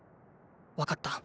わかった。